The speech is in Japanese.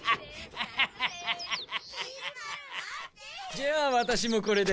じゃあワタシもこれで。